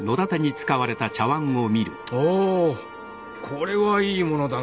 おおこれはいい物だな